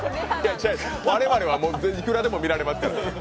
我々は、いくらでも見られますから。